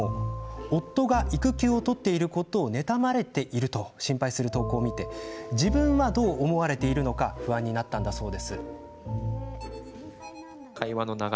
夫が育休を取っていることを妬まれていると心配する投稿を見て自分はどう思われているのか不安になったんだそう。